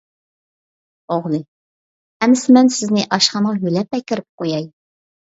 ئوغلى: ئەمىسە مەن سىزنى ئاشخانىغا يۆلەپ ئەكىرىپ قوياي!